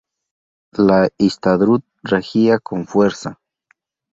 La Histadrut regía con fuerza.